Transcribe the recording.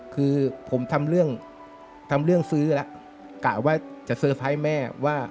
คือผมทำเรื่องทำเรื่องซื้อแล้วกะว่าจะเซอร์ไพรส์แม่ว่า